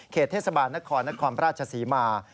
เขตเทศกาลนครนครพระราชสีมา